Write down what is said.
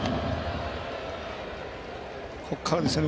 ここからですよね